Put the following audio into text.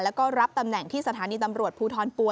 แล้วก็รับตำแหน่งที่สถานีตำรวจภูทรปัว